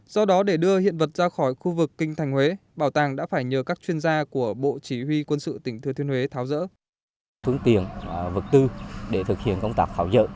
do đó để đưa hiện vật ra khỏi khu vực kinh thành huế bảo tàng đã phải nhờ các chuyên gia của bộ chỉ huy quân sự tỉnh thừa thiên huế tháo rỡ